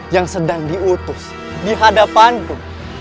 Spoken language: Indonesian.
yang sedang diutus dihadapanku